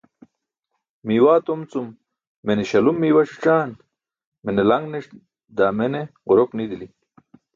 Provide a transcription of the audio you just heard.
Miiwaa tom cum mene śalum miiwa sićaan, mene laṅ ne, daa mene ġurok nidili.